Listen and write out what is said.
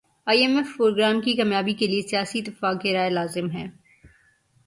ائی M F programme کی کامیابی کیلئے سیاسی اتفاق رائے لازم ہے